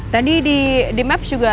tadi di maps juga